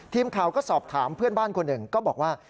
ทีมข่าวก็สอบถามเพื่อนบ้านคนหนึ่งก็บอกว่า